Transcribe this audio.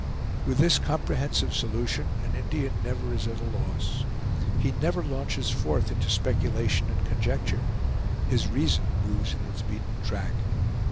With this comprehensive solution, an Indian never is at a loss. He never launches forth into speculation and conjecture; his reason moves in its beaten track.